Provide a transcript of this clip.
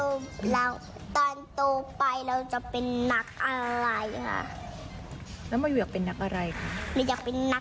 ตอนโตไปเราจะเป็นนักอะไรฮะ